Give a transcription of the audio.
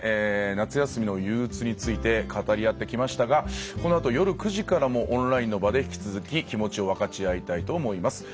夏休みのゆううつについて語り合ってきましたがこのあと夜９時からもオンラインの場で引き続き気持ちを分かち合いたいと思います。